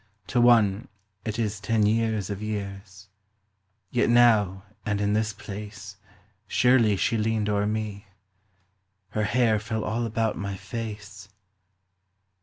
.(To one, it is ten years of years. '... Yet now, and in this place, Surely she leaned o'er me — her hair Fell all about my face.